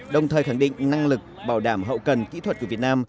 đồng thời khẳng định năng lực bảo đảm hậu cần kỹ thuật của việt nam